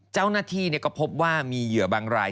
เจ้าหน้าที่ก็พบว่ามีเหยื่อบางราย